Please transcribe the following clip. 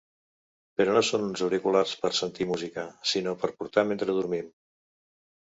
Però no són uns auriculars per sentir música, sinó per portar mentre dormim.